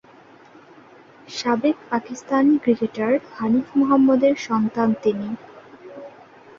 সাবেক পাকিস্তানি ক্রিকেটার হানিফ মোহাম্মদের সন্তান তিনি।